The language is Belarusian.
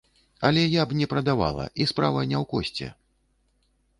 Але я б не прадавала, і справа не ў кошце.